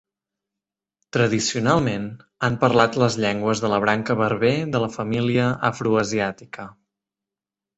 Tradicionalment, han parlat les llengües de la branca berber de la família afroasiàtica.